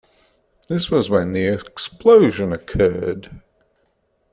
This was when the explosion occurred.